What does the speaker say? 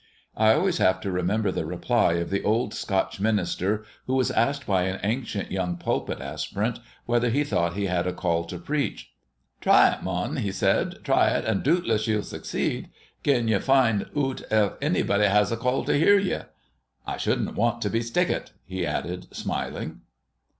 I always have to remember the reply of the old Scotch minister who was asked by an anxious young pulpit aspirant whether he thought he had a call to preach. 'Try it, mon,' he said; 'try it, an' dootless ye'll succeed, gin ye find oot 'at onybody has a ca' to hear ye.' I shouldn't want to be 'stickit,'" he added, smiling.